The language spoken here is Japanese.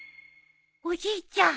おじいちゃん。